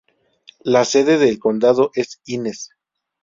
La sede del condado es Inez.